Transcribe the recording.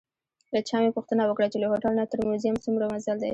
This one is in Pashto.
له چا مې پوښتنه وکړه چې له هوټل نه تر موزیم څومره مزل دی.